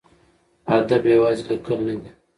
ادب یوازې لیکل نه دي.